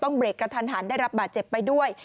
เบรกกระทันหันได้รับบาดเจ็บไปด้วย